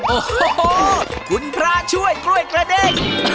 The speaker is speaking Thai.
โอ้โหคุณพระช่วยกล้วยกระเด้ง